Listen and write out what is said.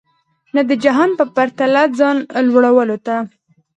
نه د جهان په پرتله ځان لوړولو ته.